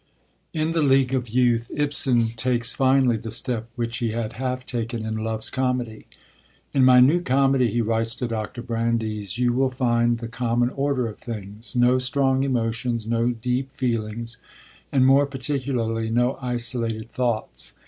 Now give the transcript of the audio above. In The League of Youth Ibsen takes finally the step which he had half taken in Loves Comedy. 'In my new comedy,' he writes to Dr. Brandes, 'you will find the common order of things no strong emotions, no deep feelings, and, more particularly, no isolated thoughts.'